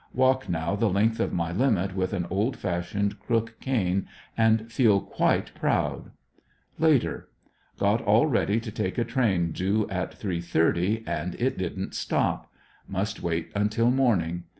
Walk now the length of my limit with an old fashioned crook cane and feel quite proud. Later. — Got all ready to take a train due at 3:30, and it didn't stop. Must wait until morning.